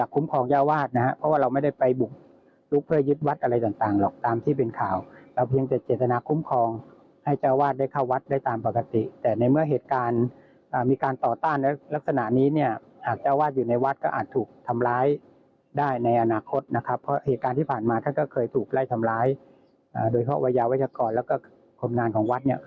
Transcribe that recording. ก็ดูฐานการณ์ก่อนนะครับว่าถ้าเห็นว่า